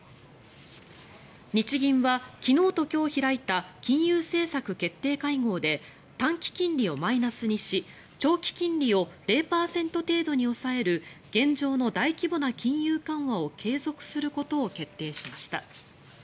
日銀は昨日と今日開いた金融政策決定会合で短期金利をマイナスにし長期金利を０％程度に抑える現状の大規模な金融緩和を継続することを決定しました。